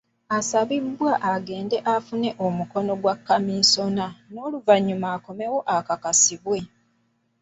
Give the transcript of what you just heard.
Asabibwa okugenda afune omukono gwa kamisona n'oluvannyuma akomewo akakasibwe.